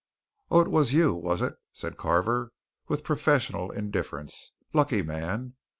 "Oh, it was you, was it?" said Carver, with professional indifference. "Lucky man!